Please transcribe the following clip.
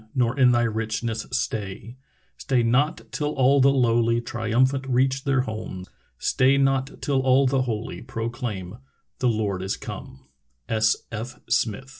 Nor in thy richness stay; Stay not till all the lowly Triumphant reach their home; Stay not till all the holy Proclaim — The Lord is come